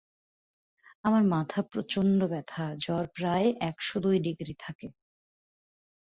আমার মাথা প্রচন্ড ব্যথা, জ্বর প্রায় একশো দুই ডিগ্রি থাকে।